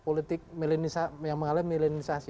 politik yang mengalami millenialisasi